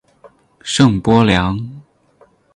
圣波良。